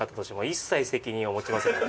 「一切責任を持ちませんので」